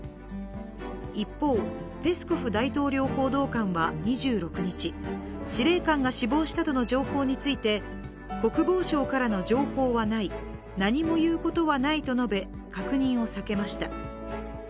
一方、ペスコフ大統領報道官は２６日司令官が死亡したとの情報について国防省からの情報はない、何も言うことはないと述べ確認を避けました。